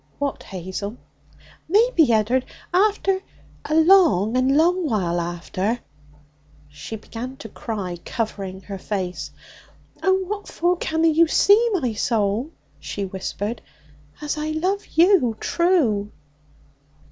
'What, Hazel?' 'Maybe, Ed'ard, after a long and long while after ' She began to cry, covering her face. 'Oh, what for canna you see, my soul,' she whispered, 'as I love you true?'